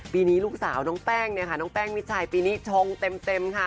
ปีนี้ลูกสาวน้องแป้งมิจฉัยชงเต็มค่ะ